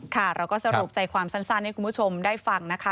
ค่ะเราก็สรุปใจความสั้นให้คุณผู้ชมได้ฟังนะคะ